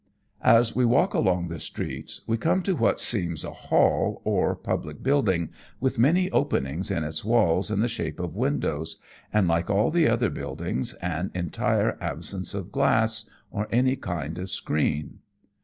As we walk along the streets we come to what seems WE VISIT NAGASAKI TOWN. 175 a hall or public building, with, many openings in its walls in the shape of windows, and like all the other buildings an entire absence of glass or any kind of screen.